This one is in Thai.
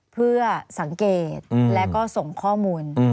เพื่อสังเกตและก็ส่งข้อมูล